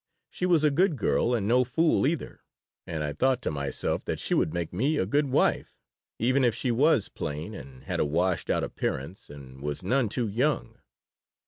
She was a good girl, and no fool, either, and I thought to myself that she would make me a good wife, even if she was plain and had a washed out appearance and was none too young.